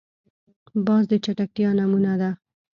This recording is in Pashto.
باز د چټکتیا نمونه ده